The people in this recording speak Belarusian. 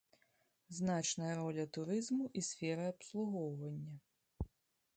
Значная роля турызму і сферы абслугоўвання.